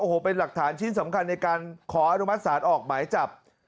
โอ้โหเป็นหลักฐานชิ้นสำคัญในการขออนุมัติศาลออกหมายจับ